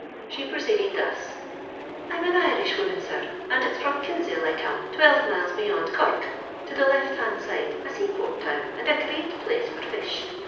She x>roceeded thus :— "I'm an Irishwoman, sir, and it's from Kinsale I come, twelve miles beyond Corruk, to the left hand side, a seaport town, and a great place for fish.